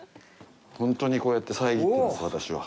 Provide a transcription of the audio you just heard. ほんとにこうやって遮ってます、私は。